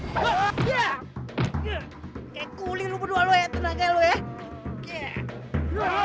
kayak guling lo berdua lo ya